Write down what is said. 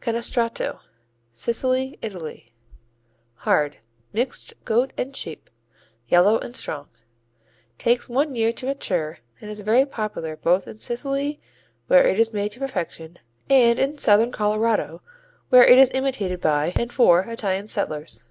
Canestrato Sicily, Italy Hard; mixed goat and sheep; yellow and strong. Takes one year to mature and is very popular both in Sicily where it is made to perfection and in Southern Colorado where it is imitated by and for Italian settlers.